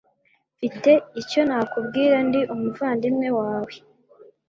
Mfite icyo nakubwira. Ndi umuvandimwe wawe.